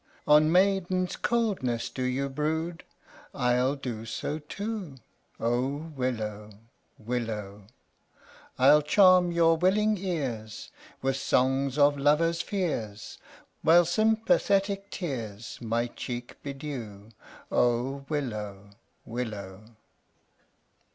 On maiden's coldness do you brood ? I'll do so too. Oh, willow! willow! I'll charm your willing ears With songs of lovers' fears, While sympathetic tears My cheek bedew, Oh, willow! willow!